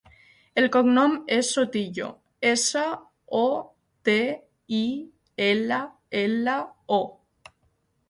El cognom és Sotillo: essa, o, te, i, ela, ela, o.